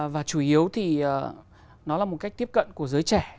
và chủ yếu thì nó là một cách tiếp cận của giới trẻ